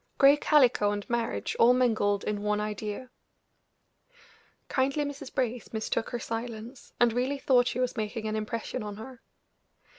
Gray calico and marriage all mingled in one idea! Kindly Mrs. Brace mistook her silence, and really thought she was making an impression on her.